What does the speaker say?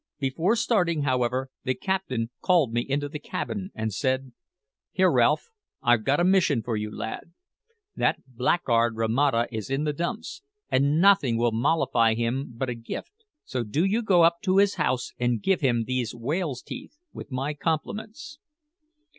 Before starting, however, the captain called me into the cabin and said: "Here, Ralph; I've got a mission for you, lad. That blackguard Romata is in the dumps, and nothing will mollify him but a gift; so do you go up to his house and give him these whale's teeth, with my compliments.